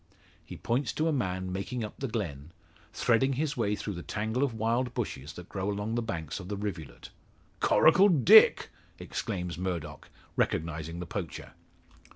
He points to a man making up the glen, threading his way through the tangle of wild bushes that grow along the banks of the rivulet. "Coracle Dick!" exclaims Murdock, recognising the poacher.